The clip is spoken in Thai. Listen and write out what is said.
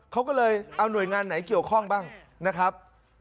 เขาก็เลยเอาหน่วยงานไหนเกี่ยวข้องบ้างนะครับ